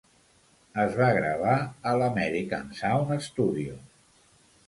Es va gravar a l'American Sound Studio.